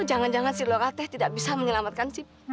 jangan jangan si lorateh tidak bisa menyelamatkan si opi